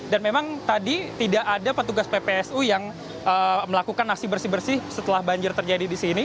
dan memang tadi tidak ada petugas ppsu yang melakukan nasi bersih bersih setelah banjir terjadi di sini